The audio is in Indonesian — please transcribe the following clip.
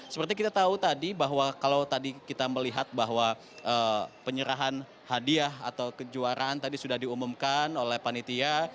seperti kita tahu tadi bahwa kalau tadi kita melihat bahwa penyerahan hadiah atau kejuaraan tadi sudah diumumkan oleh panitia